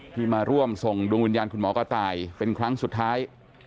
ที่มาร่วมส่งดวงวิญญาณคุณหมอกระต่ายเป็นครั้งสุดท้าย